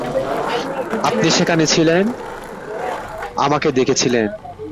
আপনি সেখানে ছিলেন, আমাকে দেখেছিলেন!